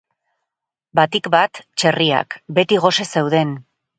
Batik bat txerriak, beti gose zeuden.